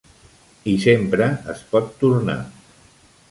I sempre es pot tornar.